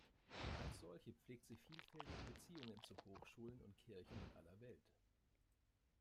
Als solche pflegt sie vielfältige Beziehungen zu Hochschulen und Kirchen in aller Welt.